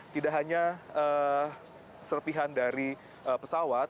tidak hanya serpihan dari pesawat